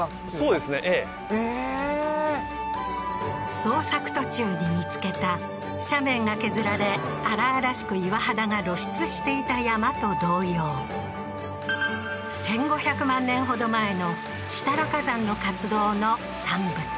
捜索途中に見つけた斜面が削られ荒々しく岩肌が露出していた山と同様１５００万年ほど前の設楽火山の活動の産物